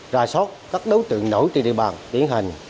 ra sót các đối tượng nổi trên địa bàn tiến hành